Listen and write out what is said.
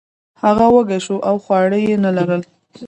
هغه وږی شو او خواړه یې نه لرل.